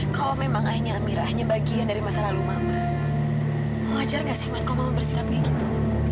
kalo memang akhirnya amirah hanya bagian dari masa lalu mama wajar gak sih man kalo mama bersinap kayak gitu